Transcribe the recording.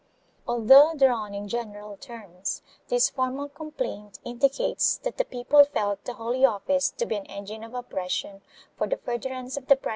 4 Although drawn in general terms this formal complaint indicates that the people felt the Holy Office to be an engine of oppression, for the furtherance of the private ends 1 Ibidem, Libro 4, fol.